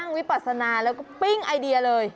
วิปัสนาแล้วก็ปิ้งไอเดียเลย